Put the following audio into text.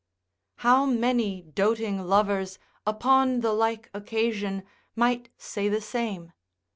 How many doting lovers upon the like occasion might say the same?